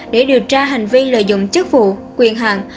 để điều tra hành vi lợi dụng chức vụ quyền hạn